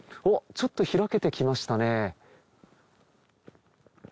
ちょっと開けてきましたね。